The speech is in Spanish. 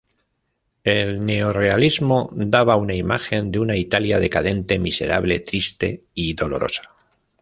El neorrealismo daba una imagen de una Italia decadente, miserable, triste y dolorosa.